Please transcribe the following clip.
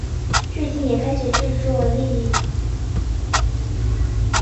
最近也开始制作栗林美奈实等人的乐曲。